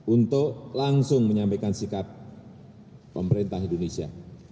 untuk langsung menyampaikan sikap pemerintah indonesia